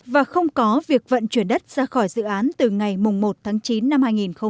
và không có việc vận chuyển đất ra khỏi dự án từ ngày một tháng chín năm hai nghìn một mươi chín